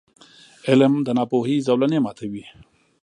• علم، د ناپوهۍ زولنې ماتوي.